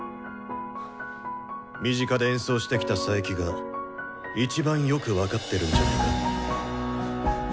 身近で演奏してきた佐伯がいちばんよく分かってるんじゃないか？